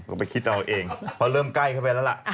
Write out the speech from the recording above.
ไปคิดเอาเองเพราะเริ่มใกล้เข้าไปแล้วล่ะ